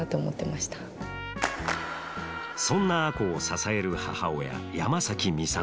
そんな亜子を支える母親山崎美里。